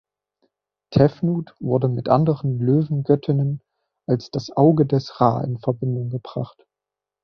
Tefnut wurde mit anderen Löwengöttinnen als das Auge des Ra in Verbindung gebracht.